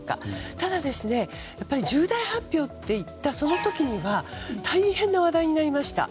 ただ、重大発表といったその時には大変な話題になりました。